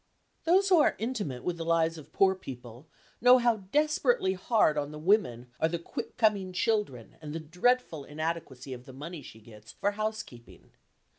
Those who are intimate with the lives of poor people know how desperately hard on the women are the quick coming children and the dreadful inadequacy of the money she gets for housekeeping.